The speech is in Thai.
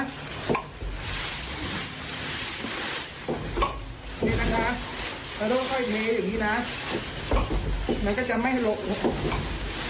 นี่นะคะแล้วก็ค่อยเทอยังงี้นะแล้วก็จะไม่ลบ